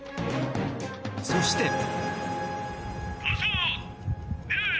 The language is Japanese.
そして。